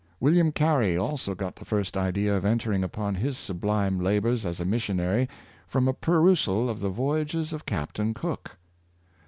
WilHam Carey also got the first idea of entering upon his su blime labors as a missionary from a perusal of the voy ages of Captain Cook.